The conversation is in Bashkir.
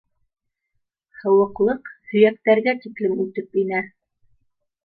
Һыуыҡлыҡ һөйәктәргә тиклем үтеп инә.